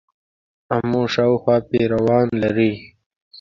آمو شاوخوا پیروان لري.